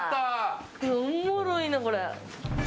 おもろいなこれ。